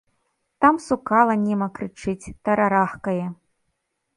Там сукала нема крычыць, тарарахкае.